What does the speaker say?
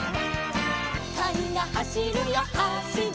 「かにがはしるよはしる」